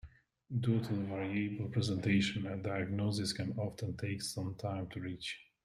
Due to the variable presentation, a diagnosis can often take some time to reach.